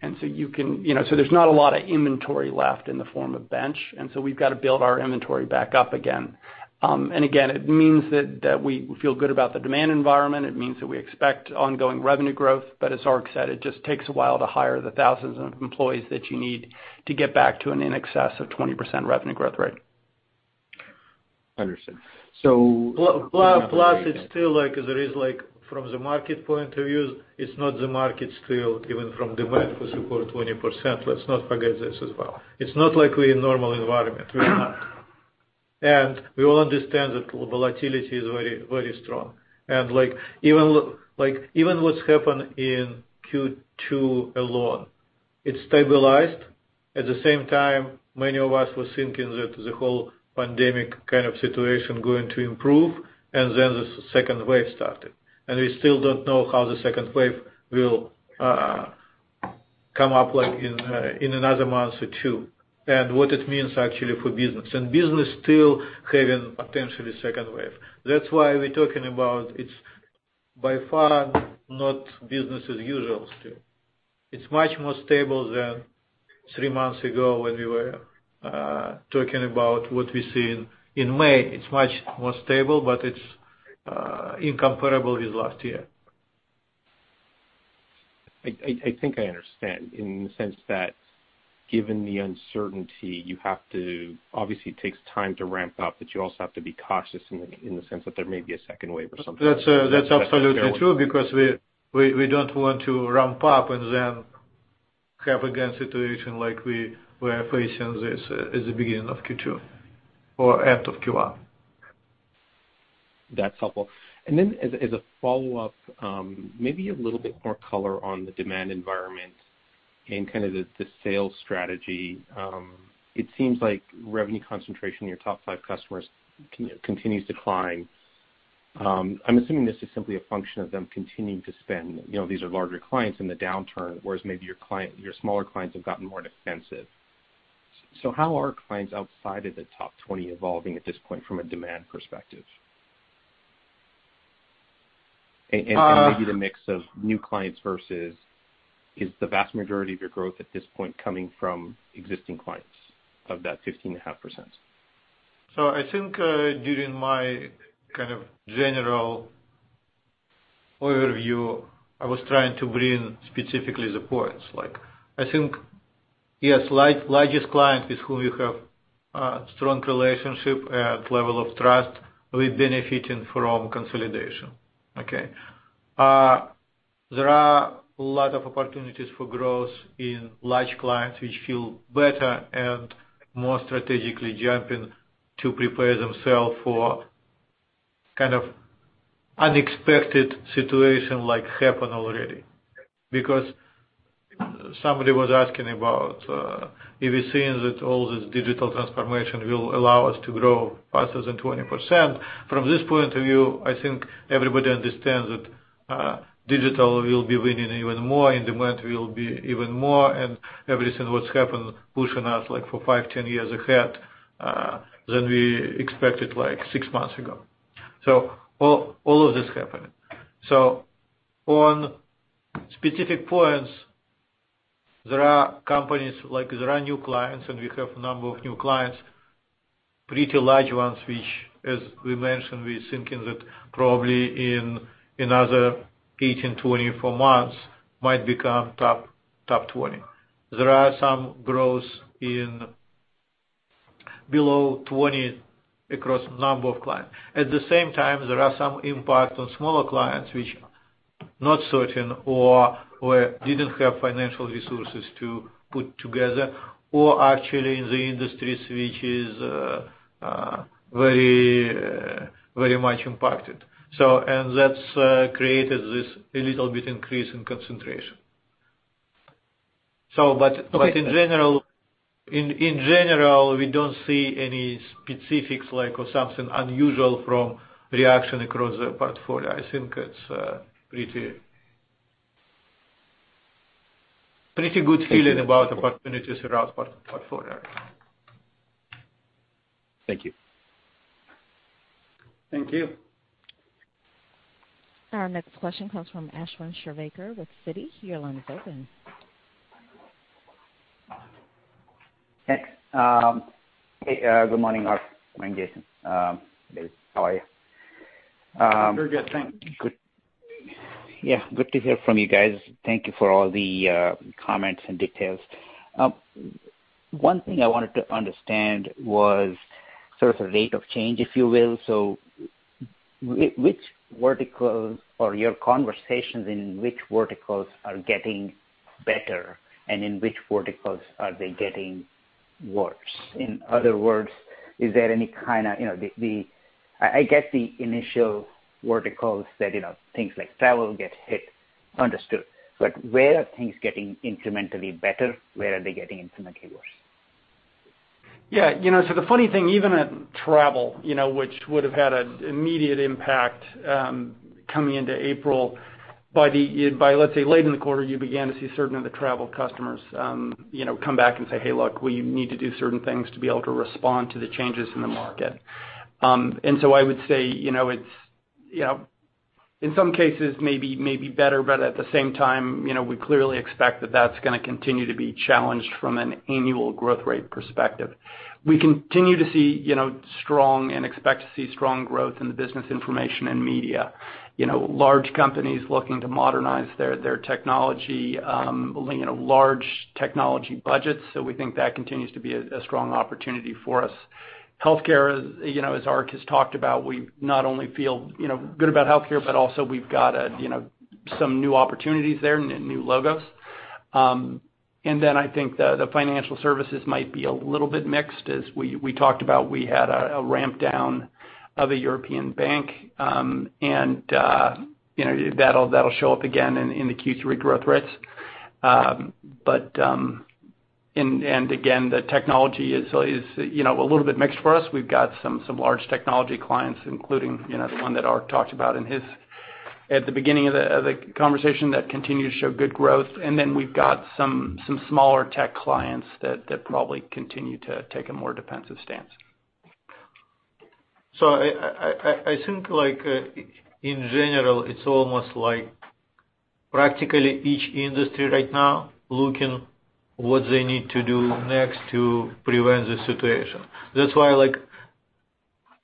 There's not a lot of inventory left in the form of bench, and so we've got to build our inventory back up again. Again, it means that we feel good about the demand environment. It means that we expect ongoing revenue growth. As Ark said, it just takes a while to hire the thousands of employees that you need to get back to an in excess of 20% revenue growth rate. Understood. It's still like, from the market point of view, it's not the market still given from demand for support 20%. Let's not forget this as well. It's not like we're in normal environment. We're not. We all understand that volatility is very strong. Even what's happened in Q2 alone, it stabilized. At the same time, many of us were thinking that the whole pandemic kind of situation going to improve, and then the second wave started. We still don't know how the second wave will come up in another month or two, and what it means actually for business. Business still having potentially second wave. That's why we're talking about it's by far not business as usual still. It's much more stable than three months ago when we were talking about what we see in May. It's much more stable, but it's incomparable with last year. I think I understand in the sense that given the uncertainty, you have to, obviously, it takes time to ramp up, but you also have to be cautious in the sense that there may be a second wave or something. That's absolutely true because we don't want to ramp up and then have again situation like we were facing this at the beginning of Q2 or end of Q1. That's helpful. Then as a follow-up, maybe a little bit more color on the demand environment and kind of the sales strategy. It seems like revenue concentration in your top five customers continues to climb. I'm assuming this is simply a function of them continuing to spend. These are larger clients in the downturn, whereas maybe your smaller clients have gotten more defensive. How are clients outside of the top 20 evolving at this point from a demand perspective? Maybe the mix of new clients versus, is the vast majority of your growth at this point coming from existing clients of that 15.5%? I think, during my kind of general overview, I was trying to bring specifically the points. I think, yes, largest client with whom you have a strong relationship and level of trust will benefiting from consolidation. Okay. There are a lot of opportunities for growth in large clients which feel better and more strategically jumping to prepare themselves for kind of unexpected situation like happened already. Because somebody was asking about, if we're seeing that all this digital transformation will allow us to grow faster than 20%. From this point of view, I think everybody understands that digital will be winning even more, and demand will be even more, and everything what's happened pushing us like for five, 10 years ahead than we expected six months ago. All of this happened. On specific points, there are companies, there are new clients, and we have number of new clients, pretty large ones, which as we mentioned, we're thinking that probably in another 18, 24 months might become top 20. There are some growth in below 20 across number of clients. At the same time, there are some impact on smaller clients which not certain or didn't have financial resources to put together or actually in the industries which is very much impacted. That's created this a little bit increase in concentration. In general, we don't see any specifics or something unusual from reaction across the portfolio. I think it's a pretty good feeling about opportunities around portfolio. Thank you. Thank you. Our next question comes from Ashwin Shirvaikar with Citi. Your line is open. Hey. Good morning, Ark. Good morning, Jason. How are you? Very good, thanks. Good. Yeah, good to hear from you guys. Thank you for all the comments and details. One thing I wanted to understand was sort of the rate of change, if you will. Which verticals or your conversations in which verticals are getting better, and in which verticals are they getting worse? In other words, is there any kind of I get the initial verticals that things like travel get hit. Understood. Where are things getting incrementally better? Where are they getting incrementally worse? Yeah. The funny thing, even at travel, which would have had an immediate impact, coming into April, by let's say late in the quarter, you began to see certain of the travel customers come back and say, "Hey, look, we need to do certain things to be able to respond to the changes in the market." I would say, in some cases, may be better, but at the same time, we clearly expect that that's going to continue to be challenged from an annual growth rate perspective. We continue to see strong and expect to see strong growth in the business information and media, large companies looking to modernize their technology, building large technology budgets. We think that continues to be a strong opportunity for us. Healthcare, as Ark has talked about, we not only feel good about healthcare, but also we've got some new opportunities there, new logos. I think the financial services might be a little bit mixed. As we talked about, we had a ramp down of a European bank, and that'll show up again in the Q3 growth rates. The technology is a little bit mixed for us. We've got some large technology clients, including the one that Ark talked about at the beginning of the conversation, that continue to show good growth. We've got some smaller tech clients that probably continue to take a more defensive stance. I think in general, it's almost like practically each industry right now looking what they need to do next to prevent the situation. That's why like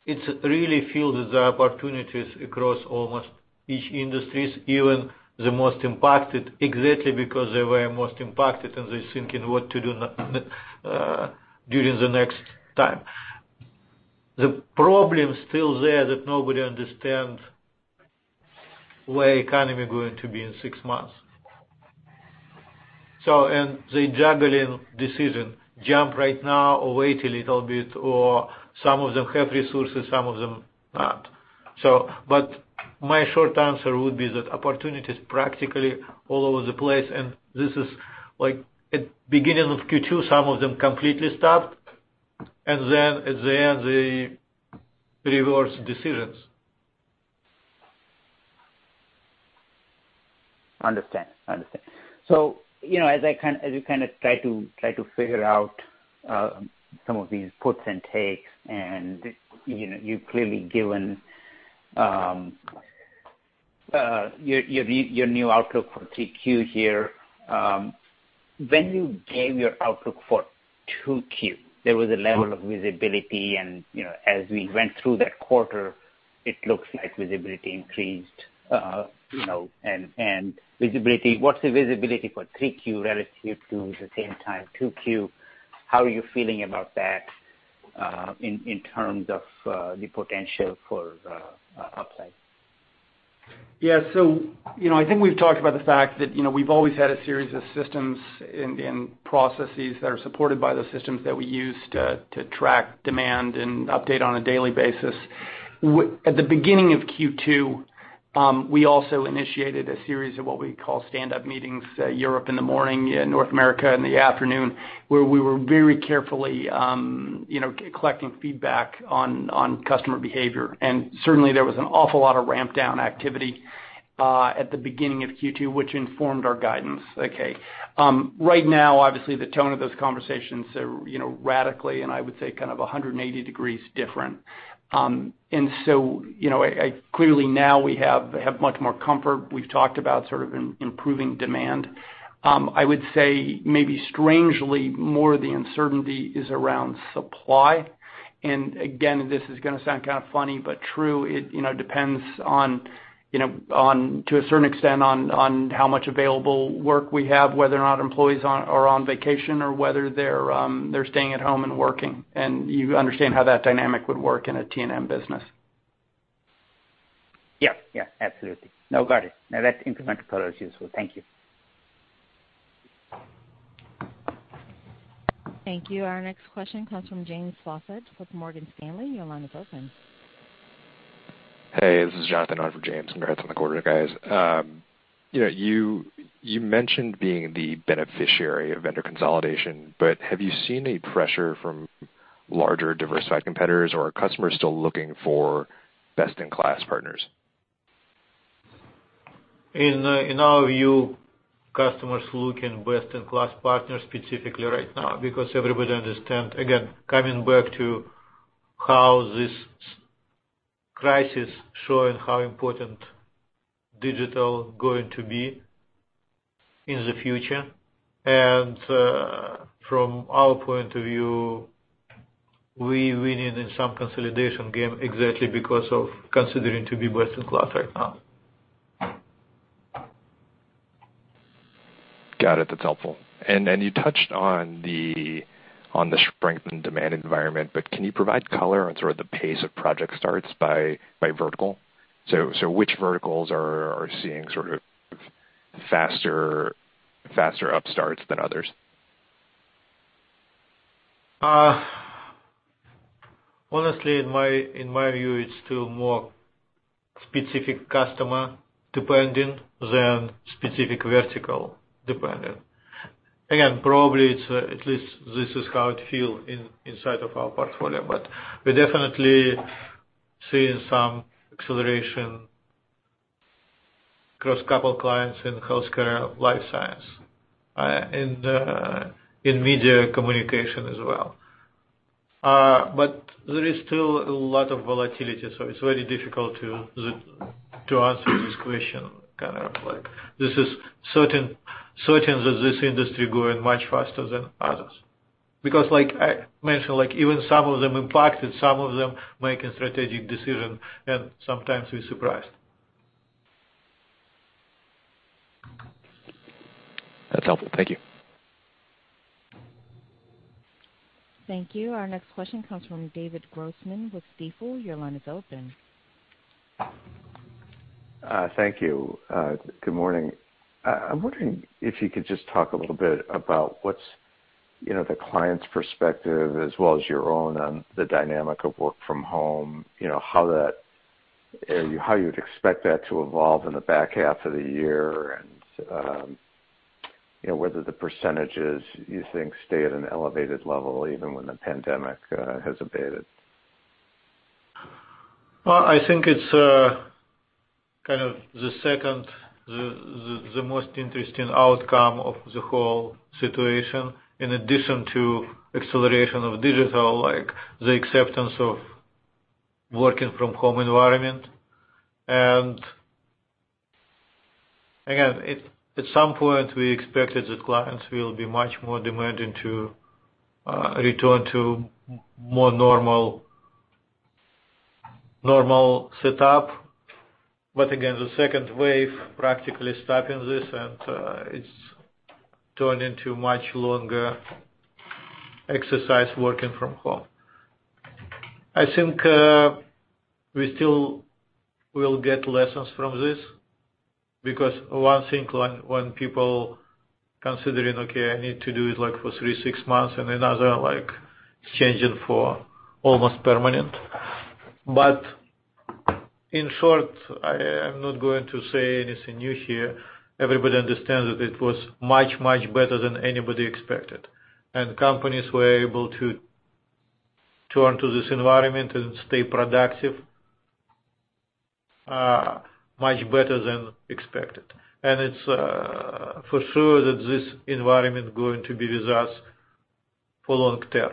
it really feels that there are opportunities across almost each industry, even the most impacted, exactly because they were most impacted, and they're thinking what to do during the next time. The problem still there that nobody understand where economy going to be in six months. They're juggling decision, jump right now or wait a little bit, or some of them have resources, some of them not. My short answer would be that opportunity is practically all over the place, and this is at beginning of Q2, some of them completely stopped, and then they reverse decisions. Understand. As you try to figure out some of these puts and takes, and you've clearly given your new outlook for 3Q here. When you gave your outlook for 2Q, there was a level of visibility, and as we went through that quarter, it looks like visibility increased. What's the visibility for 3Q relative to the same time, 2Q? How are you feeling about that in terms of the potential for upside? I think we've talked about the fact that we've always had a series of systems and processes that are supported by those systems that we use to track demand and update on a daily basis. At the beginning of Q2, we also initiated a series of what we call standup meetings, Europe in the morning, North America in the afternoon, where we were very carefully collecting feedback on customer behavior. Certainly, there was an awful lot of ramp-down activity at the beginning of Q2, which informed our guidance. Right now, obviously, the tone of those conversations are radically, and I would say 180 degrees different. Clearly now we have much more comfort. We've talked about improving demand. I would say maybe strangely, more of the uncertainty is around supply. Again, this is going to sound kind of funny but true, it depends to a certain extent on how much available work we have, whether or not employees are on vacation or whether they're staying at home and working, and you understand how that dynamic would work in a T&M business. Yeah. Absolutely. No, got it. No, that incremental color is useful. Thank you. Thank you. Our next question comes from James Faucette with Morgan Stanley. Your line is open. Hey, this is Jonathan on for James. Congrats on the quarter, guys. You mentioned being the beneficiary of vendor consolidation, but have you seen any pressure from larger diversified competitors, or are customers still looking for best-in-class partners? In our view, customers looking best-in-class partners specifically right now because everybody understand, again, coming back to how this crisis showing how important digital going to be in the future. From our point of view, we winning in some consolidation game exactly because of considering to be best-in-class right now. Got it. That's helpful. You touched on the strength in demand environment, but can you provide color on sort of the pace of project starts by vertical? Which verticals are seeing sort of faster upstarts than others? Honestly, in my view, it's still more specific customer dependent than specific vertical dependent. Again, probably, at least this is how it feel inside of our portfolio, but we're definitely seeing some acceleration across couple clients in healthcare, life science, and in media communication as well. There is still a lot of volatility, so it's very difficult to answer this question. Certain that this industry growing much faster than others. Like I mentioned, even some of them impacted, some of them making strategic decision, and sometimes we're surprised. That's helpful. Thank you. Thank you. Our next question comes from David Grossman with Stifel. Your line is open. Thank you. Good morning. I'm wondering if you could just talk a little bit about what's the client's perspective as well as your own on the dynamic of work from home, how you'd expect that to evolve in the back half of the year and whether the percentages you think stay at an elevated level even when the pandemic has abated. Well, I think it's the second most interesting outcome of the whole situation, in addition to acceleration of digital, the acceptance of working from home environment. Again, at some point, we expected that clients will be much more demanding to return to more normal setup. Again, the second wave practically stopping this, and it's turned into much longer exercise working from home. I think we still will get lessons from this, because one thing when people considering, okay, I need to do it like for three, six months, and another, like, changing for almost permanent. In short, I am not going to say anything new here. Everybody understands that it was much, much better than anybody expected, and companies were able to turn to this environment and stay productive much better than expected. It's for sure that this environment is going to be with us for long term.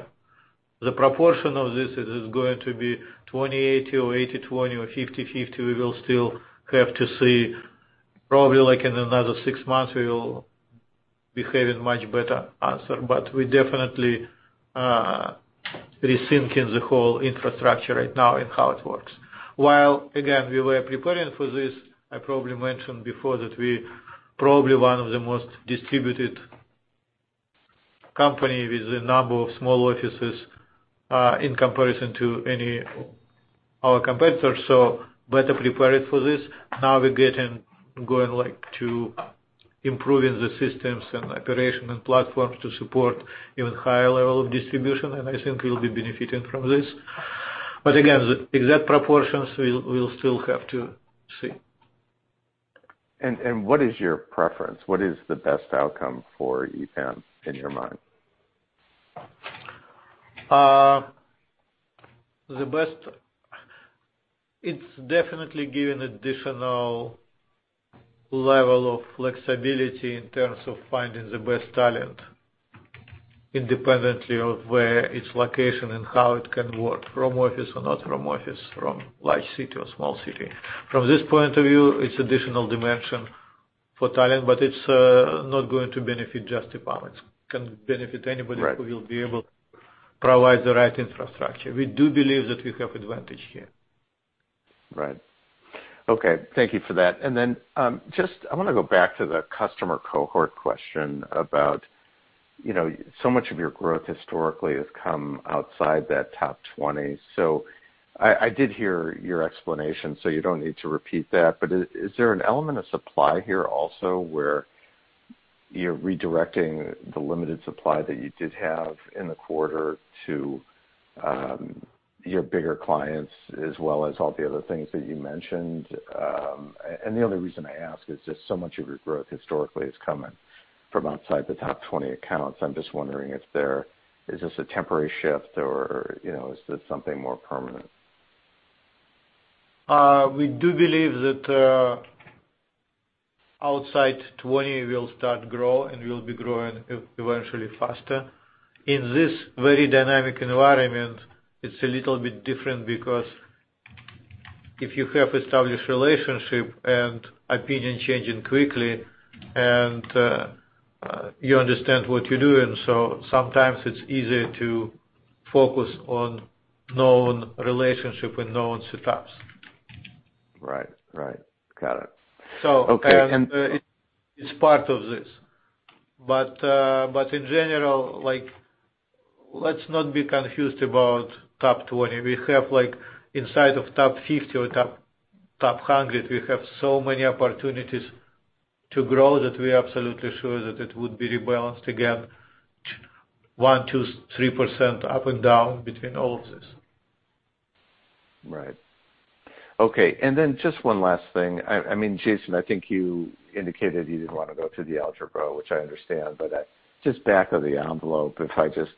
The proportion of this, is it going to be 20/80 or 80/20 or 50/50, we will still have to see. Probably, in another six months, we will be having much better answer. We definitely are rethinking the whole infrastructure right now and how it works. While, again, we were preparing for this, I probably mentioned before that we probably one of the most distributed company with a number of small offices in comparison to any our competitors, so better prepared for this. Now going to improving the systems and operation and platforms to support even higher level of distribution, and I think we'll be benefiting from this. Again, the exact proportions, we'll still have to see. What is your preference? What is the best outcome for EPAM, in your mind? It's definitely given additional level of flexibility in terms of finding the best talent, independently of where its location and how it can work, from office or not from office, from large city or small city. From this point of view, it's additional dimension for talent, but it's not going to benefit just EPAM. It can benefit anybody. Right who will be able to provide the right infrastructure. We do believe that we have advantage here. Right. Okay, thank you for that. I want to go back to the customer cohort question about so much of your growth historically has come outside that top 20. I did hear your explanation, so you don't need to repeat that. Is there an element of supply here also, where you're redirecting the limited supply that you did have in the quarter to your bigger clients as well as all the other things that you mentioned? The only reason I ask is just so much of your growth historically is coming from outside the top 20 accounts. I'm just wondering if is this a temporary shift or is this something more permanent? We do believe that outside 2020 will start grow and will be growing eventually faster. In this very dynamic environment, it's a little bit different because if you have established relationship and opinion changing quickly, and you understand what you're doing, sometimes it's easier to focus on known relationship with known setups. Right. Got it. Okay. It's part of this. In general, let's not be confused about top 20. We have inside of top 50 or top 100, we have so many opportunities to grow, that we are absolutely sure that it would be rebalanced again, 1%, 2%, 3% up and down between all of this. Right. Okay. Just one last thing. Jason, I think you indicated you didn't want to go to the algebra, which I understand, but just back of the envelope, if I just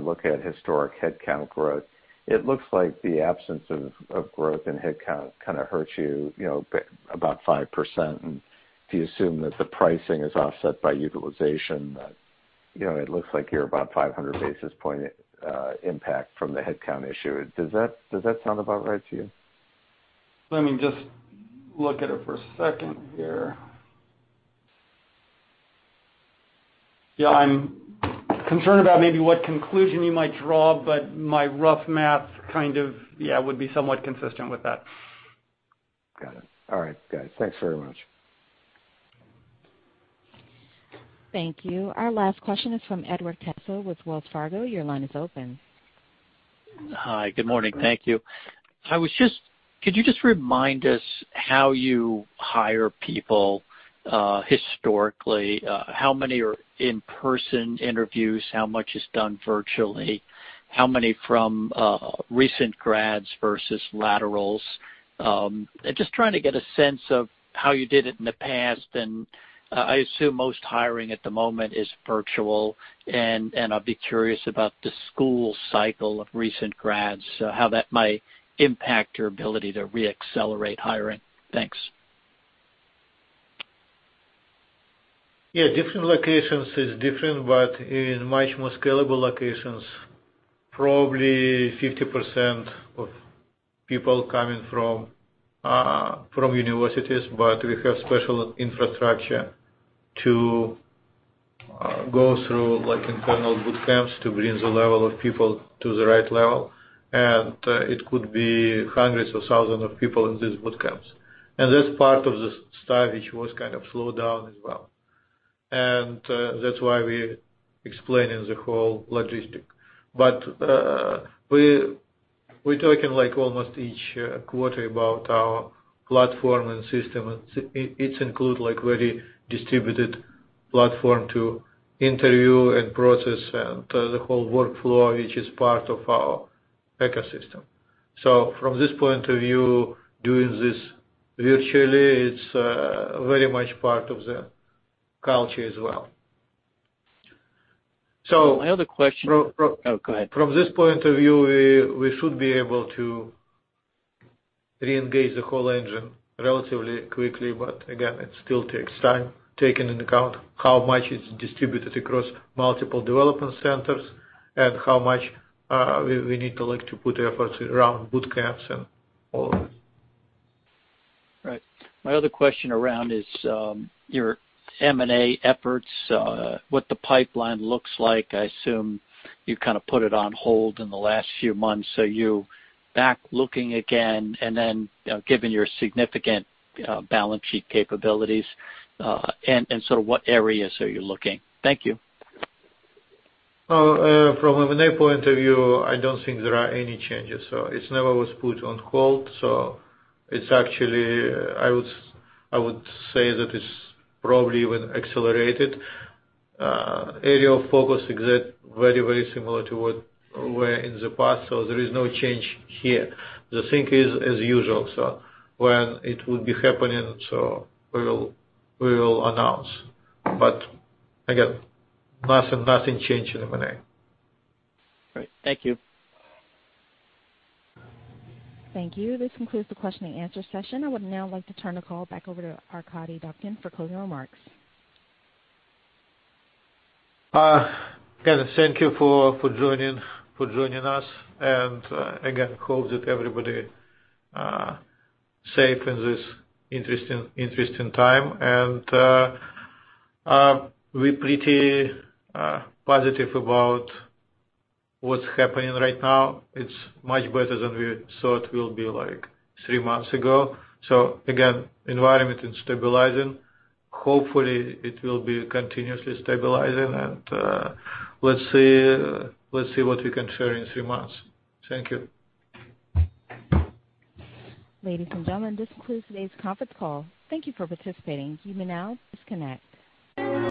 look at historic headcount growth, it looks like the absence of growth in headcount kind of hurts you about 5%. If you assume that the pricing is offset by utilization, it looks like you're about 500 basis point impact from the headcount issue. Does that sound about right to you? Let me just look at it for a second here. Yeah, I'm concerned about maybe what conclusion you might draw, but my rough math kind of, yeah, would be somewhat consistent with that. Got it. All right. Guys, thanks very much. Thank you. Our last question is from Edward Caso with Wells Fargo. Your line is open. Hi. Good morning. Thank you. Could you just remind us how you hire people historically? How many are in-person interviews? How much is done virtually? How many from recent grads versus laterals? I'm just trying to get a sense of how you did it in the past, and I assume most hiring at the moment is virtual, and I'd be curious about the school cycle of recent grads, how that might impact your ability to re-accelerate hiring. Thanks. Yeah, different locations is different, but in much more scalable locations, probably 50% of people coming from universities, but we have special infrastructure to go through internal bootcamps to bring the level of people to the right level. It could be hundreds or thousands of people in these bootcamps. That's part of the staff, which was kind of slowed down as well. That's why we're explaining the whole logistics. We're talking almost each quarter about our platform and system. It includes very distributed platform to interview and process, and the whole workflow, which is part of our ecosystem. From this point of view, doing this virtually, it's very much part of the culture as well. My other question? From- Oh, go ahead. From this point of view, we should be able to reengage the whole engine relatively quickly, but again, it still takes time, taking into account how much it's distributed across multiple development centers and how much we need to put efforts around bootcamps and all of that. Right. My other question around is your M&A efforts, what the pipeline looks like. I assume you put it on hold in the last few months. Are you back looking again? Given your significant balance sheet capabilities, and so what areas are you looking? Thank you. From an M&A point of view, I don't think there are any changes. It never was put on hold. It's actually, I would say that it's probably even accelerated. Area of focus is very similar to where in the past. There is no change here. The thing is as usual, when it will be happening, we will announce. Again, nothing changing in M&A. Great. Thank you. Thank you. This concludes the question and answer session. I would now like to turn the call back over to Arkadiy Dobkin for closing remarks. Thank you for joining us. Again, hope that everybody safe in this interesting time. We pretty positive about what's happening right now. It's much better than we thought will be like three months ago. Again, environment is stabilizing. Hopefully, it will be continuously stabilizing and let's see what we can share in three months. Thank you. Ladies and gentlemen, this concludes today's conference call. Thank you for participating. You may now disconnect.